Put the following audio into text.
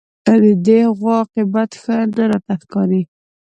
د دې غوا عاقبت ښه نه راته ښکاري